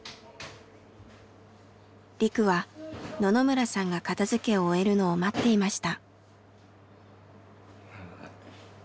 リクは野々村さんが片づけを終えるのを待っていました。